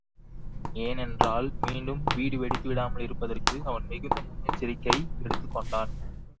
ஏனென்றால் மீண்டும் வீடு வெடித்துவிடாமல் இருப்பதற்கு அவன் மிகுந்த முன்னெச்சரிக்கை எடுத்துக்கொண்ட்ான்.